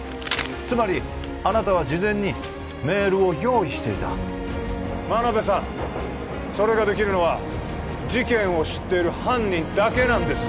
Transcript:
つまりあなたは事前にメールを用意していた真鍋さんそれができるのは事件を知っている犯人だけなんです